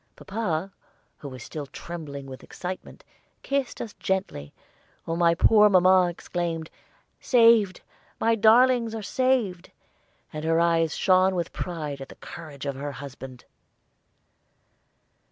Papa, who was still trembling with excitement, kissed us gently, while my poor mamma exclaimed, "Saved! my darlings are saved!" and her eyes shone with pride at the courage of her husband.